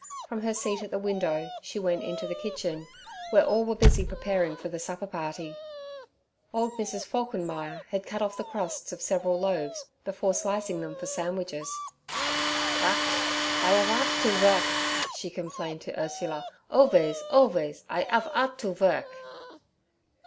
From her seat at the window she went into the kitchen, where all were busy preparing for the supperparty. Old Mrs. Falkenmeyer had cut off the crusts of several loaves before slicing them for sandwiches. 'Ach! I'af'ardt to vurk' she complained to Ursula; 'alvays, alvays I 'af 'ardt to vurk.'